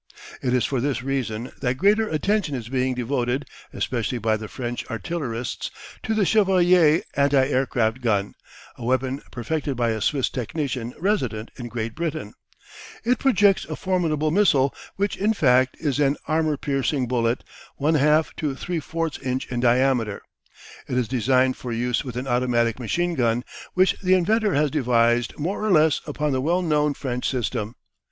It is for this reason that greater attention is being devoted, especially by the French artillerists, to the Chevalier anti aircraft gun, a weapon perfected by a Swiss technician resident in Great Britain. It projects a formidable missile which in fact is an armour piercing bullet 1/2 to 3/4 inch in diameter. It is designed for use with an automatic machinegun, which the inventor has devised more or less upon the well known French system.